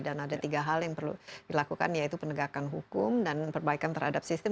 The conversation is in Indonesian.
dan ada tiga hal yang perlu dilakukan yaitu penegakan hukum dan perbaikan terhadap sistem